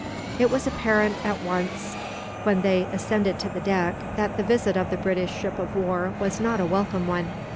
It was apparent, at once, when they ascended to the deck, that the visit of the British ship of war was not a welcome one.